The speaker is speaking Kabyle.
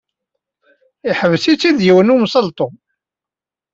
Yeḥbes-itt-id yiwen n umsaltu.